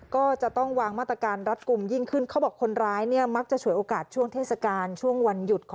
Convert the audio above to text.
ก็จะต้องวางมาตรการรับกลุ่ม